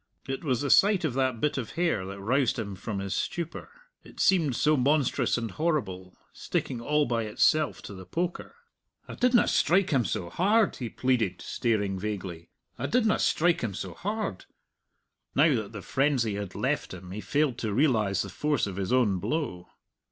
It was the sight of that bit of hair that roused him from his stupor it seemed so monstrous and horrible, sticking all by itself to the poker. "I didna strike him so hard," he pleaded, staring vaguely, "I didna strike him so hard." Now that the frenzy had left him, he failed to realize the force of his own blow.